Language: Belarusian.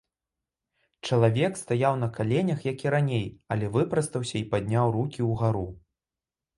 Чалавек стаяў на каленях, як і раней, але выпрастаўся і падняў рукі ўгару.